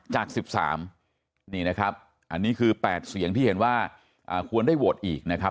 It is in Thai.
จาก๑๓นี่นะครับอันนี้คือ๘เสียงที่เห็นว่าควรได้โหวตอีกนะครับ